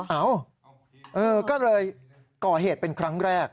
เอ้าก็เลยก่อเหตุเป็นครั้งแรก